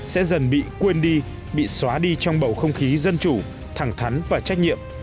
sẽ dần bị quên đi bị xóa đi trong bầu không khí dân chủ thẳng thắn và trách nhiệm